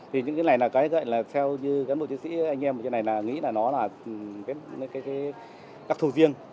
thì những cái này là cái gọi là theo như cán bộ chiến sĩ anh em như thế này là nghĩ là nó là đặc thù riêng